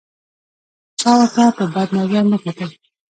چا ورته په بد نظر نه کتل.